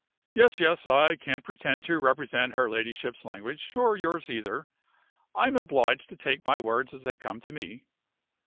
"Yes! yes! I can't pretend to represent her Ladyship's language, or yours either; I am obliged to take my words as they come to me.